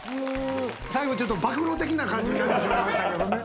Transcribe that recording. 最後ちょっと暴露的な感じになってしまいましたけれどもね。